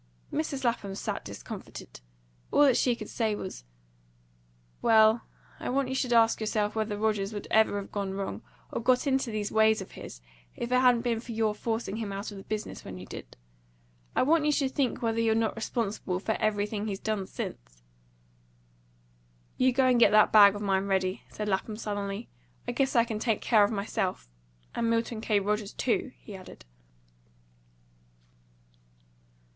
Mrs. Lapham sat discomfited. All that she could say was, "Well, I want you should ask yourself whether Rogers would ever have gone wrong, or got into these ways of his, if it hadn't been for your forcing him out of the business when you did. I want you should think whether you're not responsible for everything he's done since." "You go and get that bag of mine ready," said Lapham sullenly. "I guess I can take care of myself. And Milton K. Rogers too," he added.